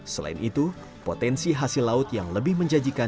selain itu potensi hasil laut yang lebih menjanjikan